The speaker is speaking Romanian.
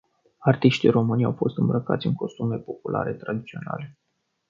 Artiștii români, au fost îmbrăcați în costume populare tradiționale.